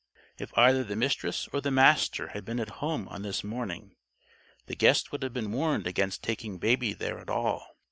If either the Mistress or the Master had been at home on this morning, the guest would have been warned against taking Baby there at all.